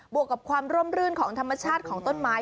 วกกับความร่มรื่นของธรรมชาติของต้นไม้